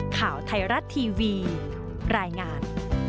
ข่าวไทยรัฐทีวีรายงาน